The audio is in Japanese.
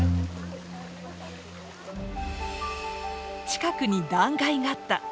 近くに断崖があった。